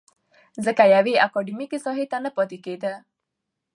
ځکه يوې اکادميکې ساحې ته نه پاتې کېده.